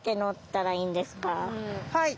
はい。